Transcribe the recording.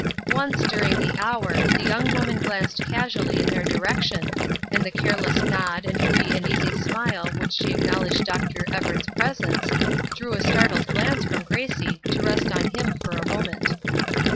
Once, during the hour, the young woman glanced casually in their direction, and the careless nod, and free and easy smile with she acknowledged Dr. Everett's presence, drew a startled glance from Gracie to rest on him for a moment.